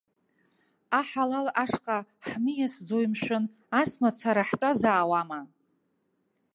Аҳалал ашҟа ҳмиасӡои, мшәан, ас мацара ҳтәазаауама?